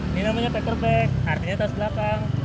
ini namanya packer bag artinya tas belakang